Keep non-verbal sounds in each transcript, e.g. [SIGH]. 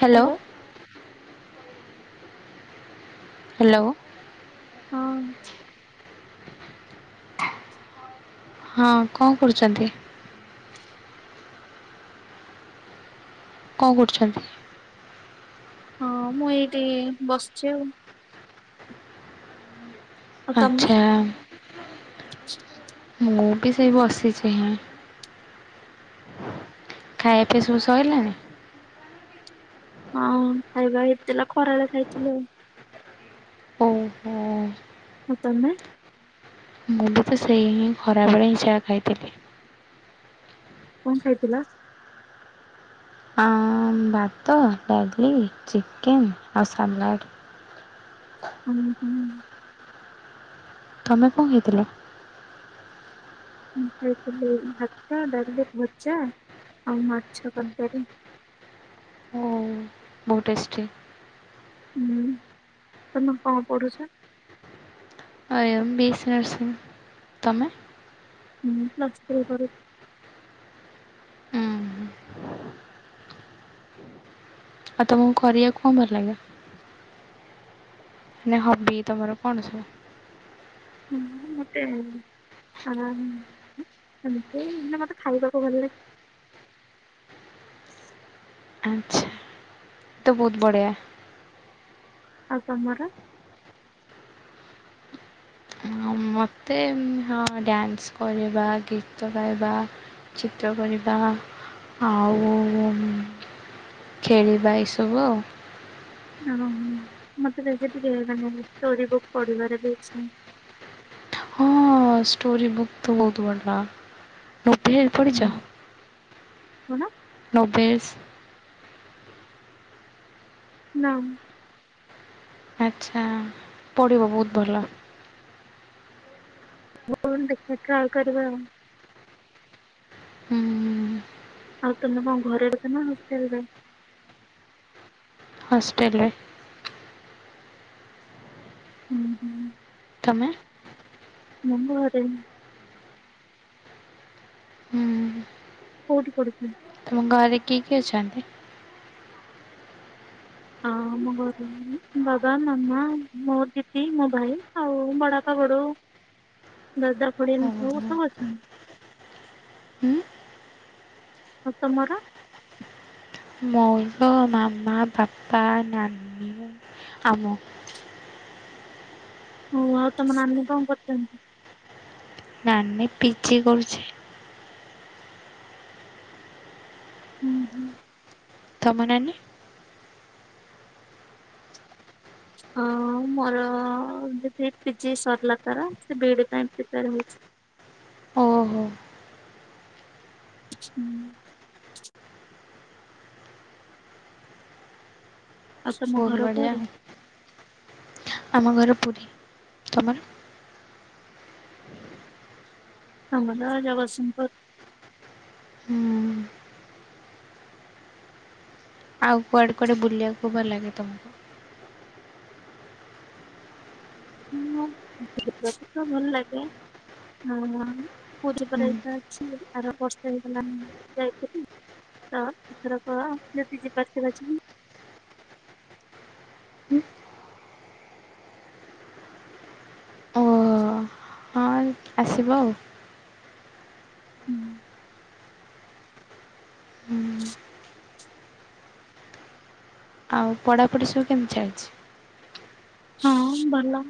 Hello. Hello. ହଁ। [INAUDIBLE] ହଁ କଣ କରୁଛନ୍ତି? କଣ କରୁଛନ୍ତି? ହଁ ମୁଁ ଏଇଠି ବସିଛି ଆଉ। ଆଉ ତମେ? ଆଚ୍ଛା ମୁଁ ବି ସେଇ ବସିଛି ହିଁ। ଖାଇବା ପିଇବା ସବୁ ସରିଲାନି। ହଁ ଖାଇବା ହେଇଥିଲା ଖରାବେଳେ ଖାଇଥିଲୁ ଆଉ। ଓହୋ। ଆଉ ତମେ? ମୁଁ ବି ତ ସେଇ ହିଁ ଖରାବେଳେ ହିଁ ଯାହା ଖାଇଥିଲି। କଣ ଖାଇଥିଲ? ଆ ଭାତ, ଡାଲି, ଚିକେନ୍ ଆଉ ସାଲାଡ଼। ହୁଁ ହୁଁଁ। ତମେ କଣ ଖାଇଥିଲ? ମୁଁ ଖାଇଥିଲି ଭାତ, ଡାଲି, ଭଜା ଆଉ ମାଛ ତରକାରୀ। ଓ ବହୁତ ଟେଷ୍ଟି। ହଁ ତମେ କଣ ପଢ଼ୁଛ? [UNINTELLIGIBLE] ବି ଏ ସି ନର୍ସି। ତମେ? ହୁଁ ପ୍ଲସ ଥ୍ରି କରୁଛି। ଉଁ ହୁଁ ଆଉ ତମକୁ କରିବାକୁ କଣ ଭଲ ଲାଗେ? ମାନେ ହବି ତମର କଣ ସବୁ? ହୁଁ ମତେ ଏମିତି ମତେ ଖାଇବାକୁ ଭଲ ଲାଗେ। ଆଚ୍ଛା ତ ବହୁତ ବଢ଼ିଆ। ଆଉ ତମର? ଆଉ ମୋତେ ହଁ ଡ୍ୟାନ୍ସ କରିବା, ଗୀତ ଗାଇବା। ଚିତ୍ର କରିବା ଆଉ ଖେଳିବା ଏଇସବୁ ଆଉ। ଓହୋ ମତେ ଟିକେ ମାନେ ଷ୍ଟୋରି ବୁକ୍ ପଢିବାର ବି ଇଚ୍ଛା। ହଁ ଷ୍ଟୋରି ବୁକ୍ ତ ବହୁତ ଭଲ ନୋଭେଲ ପଢିଛ? କଣ? ନୋବେଲସ୍। ନାଁ। ଆଚ୍ଛା, ପଢ଼ିବ ବହୁତ ଭଲ। ହଉ ଦେଖିବା ଟ୍ରାଏଲ୍ କରିବା ଆଉ। ହୁଁ। ଆଉ ତମେ କଣ ଘରେ ରହୁଛ ନା ହଷ୍ଟେଲ ରେ? ହଷ୍ଟ୍ରେଲ ରେ। ହୁଁ ହୁଁ। ତମେ? ମୁଁ ଘରେ। ହୁଁ କଉଠି ପଢୁଛନ୍ତି? ତମ ଘରେ କିଏ କିଏ ଅଛନ୍ତି? ହଁ ମୋ ଘରୁ ବାବା, ମାମା, ମୋ ଦିଦି, ମୋ ଭାଇ, ଆଉ ବଡ଼ବାପା, ବଡ ବଉ। [INAUDIBLE] ଦଦା, ଖୁଡ଼ିମାନେ ସବୁ ହୁଁ ସାଙ୍ଗରେ ଅଛନ୍ତି? ଆଉ ତମର? ମୋର ତ ମାମା, ବାପା, ନାନୀ ଆଉ ମୁଁ। ହଉ ଆଉ ତମ ନାନୀ କଣ କରୁଛନ୍ତି? ନାନୀ ପିଜି କରୁଛି। ହୁଁ ହୁଁ। ତମ ନାନୀ? ଅ ମୋର ଦିଦି ପିଜି ସରିଲା ତାର। ସେ ବିଡି ପାଇଁ ପ୍ରିପେୟାର ହୋଉଛି। ଓହୋ। ହୁଁ। ଆଉ ତମ ବହୁତ ଘର ବଢ଼ିଆ କୁଆଡ଼େ? ଆମ ଘର ପୁରୀ। ତମର? ଆମର ଜଗତସିଂପୁର। ହୁଁ। ଆଉ କୁଆଡ଼େ କୁଆଡ଼େ ବୁଲିବାକୁ ଭଲ ଲାଗେ ତମକୁ? [UNINTELLIGIBLE] ଭଲ ଲାଗେ। ହୁଁ [UNINTELLIGIBLE] [UNINTELLIGIBLE] ଓ ହଁ ଆସିବ ଆଉ। ହୁଁ ଆଉ ପଢ଼ାପଢ଼ି ସବୁ କେମିତି ଚାଲିଛି? ହଁ ଭଲ।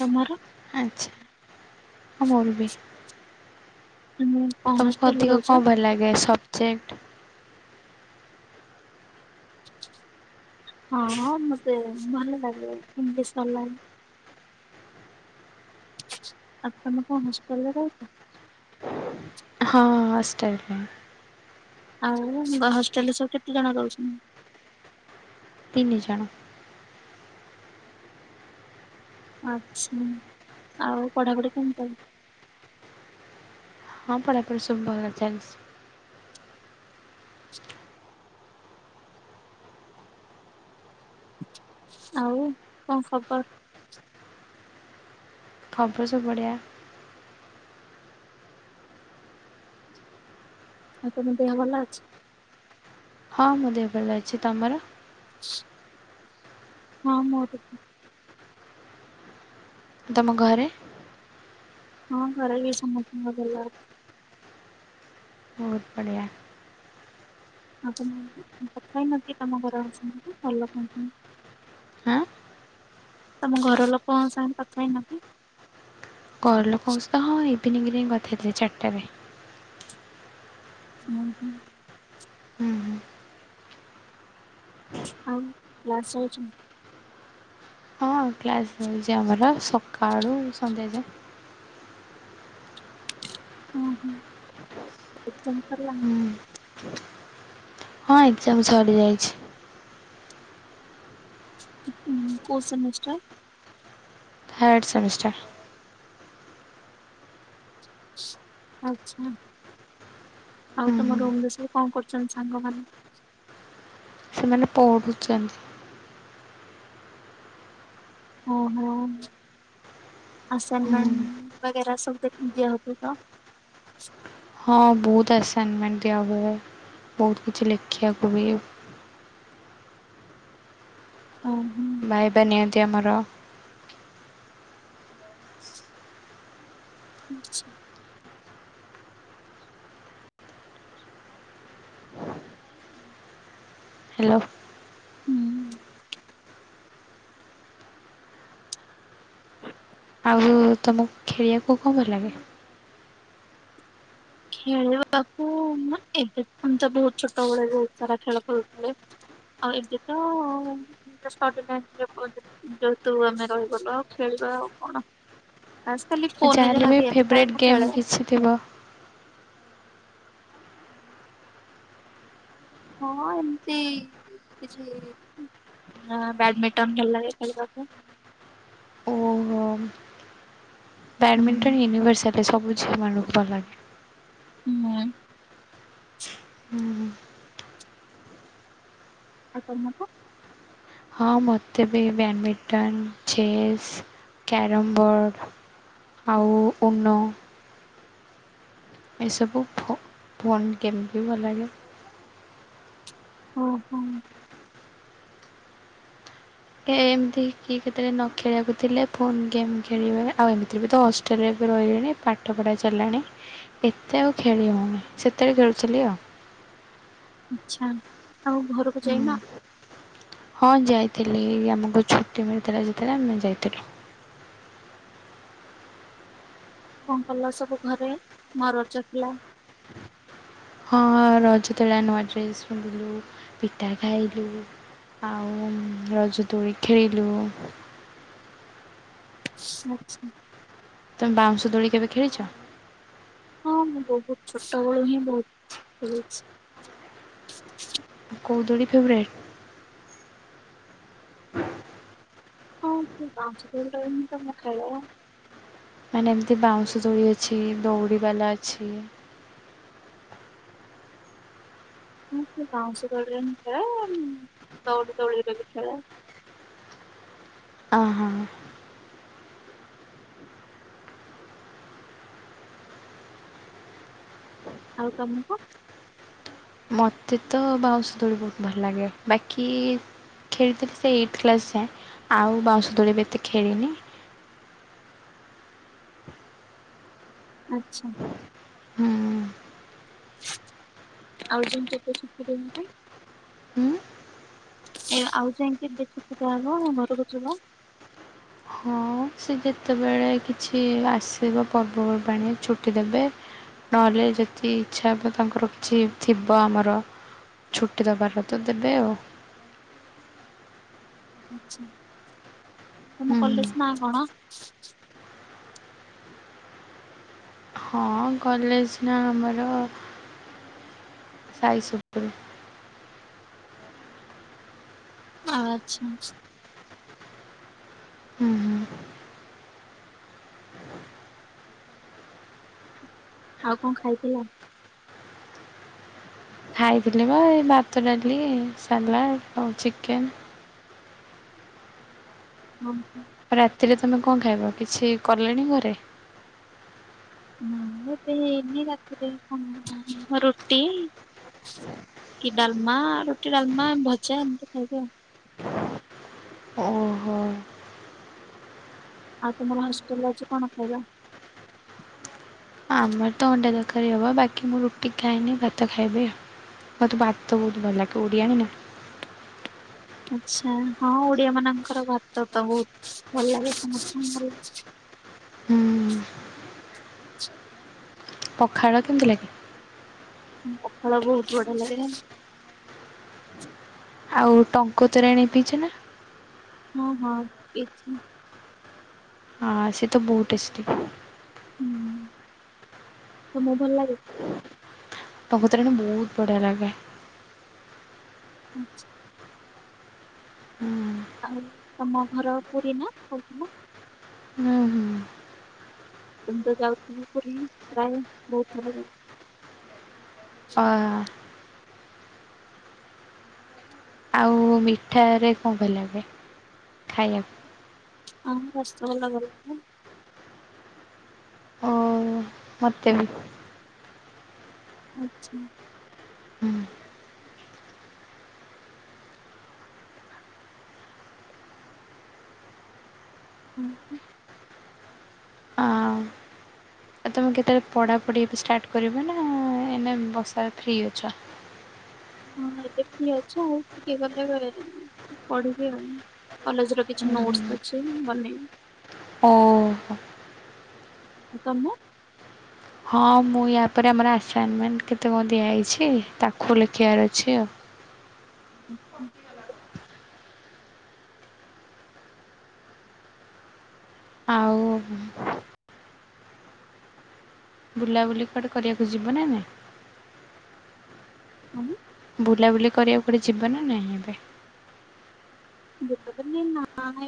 ତମର? ଆଚ୍ଛା। ହଁ ମୋର ବି। ତମେ କଣ ତମକୁ ହଷ୍ଟେଲରେ ଅଧିକ ରହୁଛ? କଁ ଭଲ ଲାଗେ? ସବ୍ଜେକ୍ଟ ହଁ ହଁ ମତେ ଭଲ ଲାଗେ ଇଂଲିସ [UNINTELLIGIBLE] ଆପଣ କଣ ହଷ୍ଟେଲ ରେ ରହୁଛନ୍ତି? ହଁ ହଁ ହଷ୍ଟେଲରେ। ଆଉ ହଷ୍ଟେଲରେ ସବୁ କେତେ ଜଣ ରହୁଛନ୍ତି? ତିନି ଜଣ। ଆଛା। ଆଉ ପଢାପଢି କେମିତି ଚାଲିଛି। ହଁ ପଢ଼ା ପଢ଼ି ସବୁ ଭଲ ଚାଲିଛି। ଆଉ କଣ ଖବର? ଖବର ସବୁ ବଢ଼ିଆ। ଆଉ ତମ ଦେହ ଭଲ ଅଛି? ହଁ ମୋ ଦେହ ଭଲ ଅଛି। ତମର? [INAUDIBLE] ହଁ ମୋର ବି। ତମ ଘରେ? ହଁ ଘରେ ଏଇ ସମସ୍ତଙ୍କ ଭଲ ଅଛି। ବହୁତ ବଢ଼ିଆ। । [UNINTELLIGIBLE] ଆଁ ତମ ଘର ଲୋକଙ୍କ ସାଙ୍ଗରେ କଥା ହେଇନ କି? ଘ ଲୋକଙ୍କ ସ ତ ହଁ ଇଭିନିଂରେ ହିଁ କଥାଥିଲି ଚାରିଟାରେ। [INAUDIBLE] ହୁଁ ହୁଁ ଆଉ କ୍ଳାସ୍ ଯାଉଛ? ହଁ କ୍ଲାସ୍ ହଉଛି ଆମର ସକାଳୁ ସନ୍ଧ୍ୟାଯାଏ। ହଁ ହଁ। ଏକଜାମ ସରିଲାଣି? ହୁଁ ହଁ ଏକ୍ଜାମ ସରିଯାଇଛି। ହ କୋଉ ସେମିଷ୍ଟାର? Third semester. ଆଛା ଆଉ ହୁଁ ତମ ହୁଁ ରୁମରେ କଣ କରୁଛନ୍ତି ସାଙ୍ଗମାନେ? ସେମାନେ ପଢ଼ୁଛନ୍ତି। ଓହୋ ହୁଁ। ଆସାନମେଣ୍ଟ ବଗେରା ସବୁ ଦିଆହଉଥିଲା ତ? ହଁ ବହୁତ ଆସାଇନମେଣ୍ଟ ଦିଆ ହୁଏ ବହୁତ କିଛି ଲେଖିବାକୁ ବି। ହଁ ହଁ। ଭାଇବା ନିଅନ୍ତି ଆମର। ଆଛା। ହ୍ୟାଲୋ। ହୁଁ ତ ତମକୁ ଖେଳିବାକୁ କଣ ଭଲ ଲାଗେ? ଖେଳିବାକୁ ଏବେ ତ ବହୁତ ଛୋଟ ବେଳେବହୁତ ସାରା ଖେଳ ଖେଳୁଥିଲେ। ଆ ଏବେ ତ [UNINTELLIGIBLE] ଯେହତୁ ଆମେ ରହିଗଲୁ ଆଉ ଖେଳିବା ଆଉ କଣ ଆଜିକାଲି ଫୋନରେ ଯାହାହେଲେ ଯାହା ବି ଗେମ୍ ଫେବରାଇଟ୍ ଖେଳେ। କିଛି ଥିବ। ହଁ ଏମିତି କିଛି ହଁ ବ୍ୟାଡମିଣ୍ଟନ୍ ଭଲ ଲାଗେ ଖେଳିବାକୁ। ଓହୋ। ହୁଁ ବ୍ୟାଡ଼ମିଣ୍ଟନ ୟୁନିଭର୍ସଆଲ ହେଲେ ସବୁ ଝିଅମାନଙ୍କୁ ଭଲ ଲାଗେ। ହୁଁ। ହୁଁ ହୁଁ ଆଉ ତମକୁ? ହଁ ମୋତେ ବି ବ୍ୟାଡ଼ମିଣ୍ଟନ, ଚେସ୍, କ୍ୟାରମ୍ ବୋର୍ଡ଼ ଆଉ ଓନୋ ଏସବୁ ଫ ଫୋନ୍ ଗେମ୍ ବି ଭଲ ଲାଗେ। ହଁ ହଁ। ଏମିତି କିଏ କେତେବେଳେ ନ ଖେଳିବାକୁ ଥିଲେ ଫୋନ୍ ଗେମ୍ ଖେଳିବାରେ ଆଉ ଏମିତିରେ ବି ତ ହଷ୍ଟେଲରେ ବି ରହିଲେଣି। ପାଠ ପଢ଼ା ଚାଲିଲାଣି ଏତେ ଆଉ ଖେଳିିହଉନି ସେତେବେଳେ ଖେଳୁଥିଲି ଆଉ। ଆଚ୍ଛା ଆଉ ଘରକୁ ହୁଁ ଯାଇନ? ହଁ ଯାଇଥିଲି ଆମକୁ ଛୁଟି ମିଳିଥିଲା ଯେତେବେଳେ ଆମେ ଯାଇଥିଲୁ। କଣ କଲ ସବୁ ଘରେ ମରଜ ଥିଲା? ହଁ ରଜତଳା ନୂଆ ଡ୍ରେସ୍ ପିନ୍ଧିଲୁ ପିଠା ଖାଇଲୁ। ଆଉ ରଜ ଦୋଳି ଖେଳିଲୁ। [UNINTELLIGIBLE] ତମେ ବାଉଁଶ ଦୋଳି କେବେ ଖେଳିଛ? ହଁ ମୁଁ ବହୁତ ଛୋଟ ବେଳୁ ହିଁ ବହୁତ ଖେଳିଛି। କଉ ଦୋଳି ଫେଭରେଟ? [UNINTELLIGIBLE] ମାନେ ଏମିତି ବାଉଁଶ ଦୋଳି ଅଛି ଦଉଡ଼ିବାଲା ଅଛି। ମୁଁ ସେ ବାଉଁଶ ଦୋଳିରେ ହିଁ ଖେଳେ ଦଉଡ଼ି ଦୋଳିରେ ବି ଖେଳେ। ଓହୋ। ଆଉ ତମକୁ ମୋତେ ତ ବାଉଁଶ ଦୋଳି ବହୁତ ଭଲ ଲାଗେ ବାକି ଖେଳିଥିଲି ସେ ଏଇଟ୍ କ୍ଲାସ ଯାଏଁ ଆଉ ବାଉଁଶ ତୋଳେ ବି ଏତେ ଖେଳିନି। ଆଚ୍ଛା। ହୁଁ ଆଉଜନ କେ କ ଶଥିଲେ [UNINTELLIGIBLE] ହୁଁ। ଏ ଆଉ ଯାଇକି ବେଶି ସୁଧା ହେବ ନା ଘରକୁ ଯିବା ହଁ। ସେ ଯେତେବେଳେ କିଛି ଆସିବ ପର୍ବପର୍ବାଣି ଛୁଟି ଦେବେ। ନହେଲେ ଯେତିି ଇଚ୍ଛା ହେବ ତାଙ୍କର କିଛି ଥିବ ଆମର। ଛୁଟି ତଦୋ ଦବେଉ ଆଛା ତମ ହୁଁ। କଲେଜ ନାଁ କଣ୍? ହୁଁ ହଁ କଲେଜ ନା ଆମର ସାଇ ସୁୁପୁର ଆଚ୍ଛା ହୁଁ ହୁଁ। ଆଉ କଣ୍ ଖାଇଥିଲ? ଖାଇଥିଲି ବା ଏଇ ଭାତ ଡାଲି ସାଲାଡ଼ ଆଉ ଚିକେନ। ହଁ। ରାତିରେ ତମେ କଣ୍ ଖାଇବ? କିଛି କଲେଣି ଘରେ। ନା ଏବେ ହେଇନି ରାତିରେ ରୁଟି। କି ଡାଲମା ରୁଟି ଡାଲମା ଭଜା ଏମିତି ଖାଇବି ଆଉ। ଓହୋ। ଆଉ ତୁମର ହଷ୍ଟେଲ ରେ ଅଛି କଣ୍ ଖାଇବା? ଆମର ତ ଅଣ୍ଡା ତରକାରି ହବ ବାକି ମୁଁ ରୁଟି ଖାଇନି ଭାତ ଖାଇବି ଆଉ। ମୋତେ ବା ତ ବହୁତ ଭଲ ଲାଗେ ଓଡିଆନି ନା ଆଛା ହଁ ଓଡିଆ ମାନଙ୍କର ଭାତ ତ ବହୁତ ଭଲ ଲାଗେ ସମସ୍ତଙ୍କୁ ଭଲ ହୁଁ ପଖାଳ କେମିତି ଲାଗେ? ପଖାଳ ବହୁତ ବଢିଆ ଲାଗେ। ଆଉ ଟଙ୍କ ତୋରାଣି ପିଇଛେ ନା? ହଁ ହଁ ପିଛି। ହଁ ସେଏ ତ ବହୁଟ୍ ତେଷ୍ଟି। ହୁଁ ତ ମୁଁ ଭଲ ଲାଗେ। ତଙ୍କ ତୋରାଣି ବହୁତ ବଢ଼ିଆ ଲାଗେ। ହୁଁଛି ହୁଁ ଆଉ ତମ ଘର ପୁରୀ ନା? ହୁଁ ହୁଁ। ତମି ତ ଯାଉଥିବ ପୁରୀ, ପ୍ରାୟ ବହୁତ ଥର ହେଲା। ଆ ମୁ ମିଠାରେ କଣ୍ ଭଲ ଲାଗେ ଖାଇବାକୁ ଆମ ରସ୍ତଲା ବି [UNINTELLIGIBLE] ହଉ ମୋତେ ବି। ଆଚ୍ଛା ହୁଁ ଉଁ ହୁଁ। ଆଉ ତୁମେ କେତେବେଳେ ପଢ଼ାପଢ଼ି ବି ଷ୍ଟାର୍ଟ କରିବା। ନା ଏଇନେ ବର୍ଷ ଟା ଫ୍ରି ଅଛ? ହଁ ଏବେ ଫ୍ରି ଅଛୁ। ଆଉ ଟିକେ ଗଲେ ଫେରେ ପଢ଼ିବି ଆଉ। କଲେଜ୍ ର କିଛି ନୋଟସ୍ ଅଛି। ଏଇନେ ମୁଁ ବନେଇବି। ହଁ। ତମ ହଁ ମୁଁ ୟା ପରେ ଆମର ଆସାଇନମେଣ୍ଟ କେତେ କଣ ଦିଆ ହେଇଛି। ତାକୁ ଲେଖିବାର ଅଛି ଆଉ। [UNINTELLIGIBLE] ଆଉ ବୁଲାବୁଲି କୁଆଡେ଼ କରିବାକୁ ଯିବ ନା ନାହିଁ? [UNINTELLIGIBLE] ବୁଲାବୁଲି କରିବାକୁ କୁଆଡ଼େ ଯିବ ନା ନାହିଁ ଏବେ? ବୁଲା ବୁଲି ନାଇଁ।